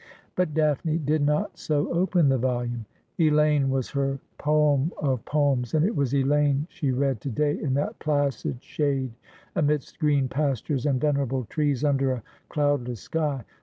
But Daphne did not so open the volume. Elaine was her poem of poems, and it was Elaine she read to day in that placid shade amidst green pastures and venerable trees, under a cloud less sky.